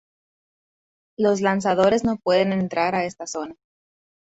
Los lanzadores no pueden entrar a esta zona.